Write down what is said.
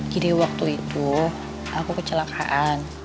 waktu itu aku kecelakaan